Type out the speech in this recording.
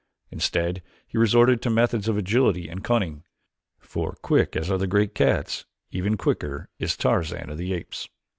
Instead he resorted to methods of agility and cunning, for quick as are the great cats, even quicker is Tarzan of the Apes.